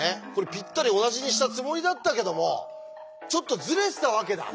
ぴったり同じにしたつもりだったけどもちょっとズレてたわけだ。